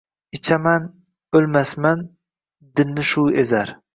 ichaman, o’lmasman, dilni shu ezar.